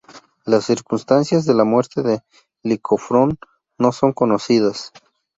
Las circunstancias de la muerte de Licofrón no son conocidas.